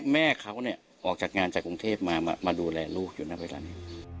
แม่เขาเนี่ยออกจากงานจากกรุงเทพมามาดูแลลูกอยู่นะเวลานี้